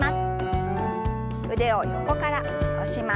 腕を横から下ろします。